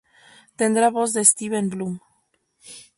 Tendrá voz de Steven Blum.